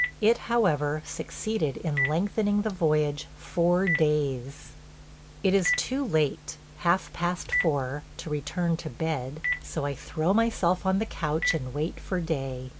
It, however, succeeded in lengthening the voyage four days. ... It is too late – half past four – to return to bed, so I throw myself on the couch and wait for day.